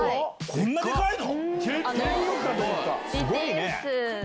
こんなデカいの？